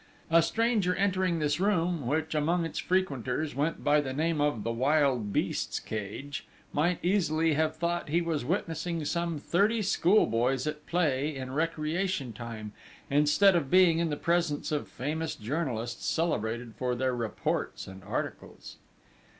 A stranger entering this room, which among its frequenters went by the name of "The Wild Beasts' Cage," might easily have thought he was witnessing some thirty schoolboys at play in recreation time, instead of being in the presence of famous journalists celebrated for their reports and articles.